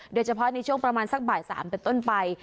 โดยเฉพาะในช่วงประมาณสักบ่าย๓เป็นต้นไป